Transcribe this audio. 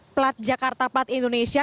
plat jakarta plat indonesia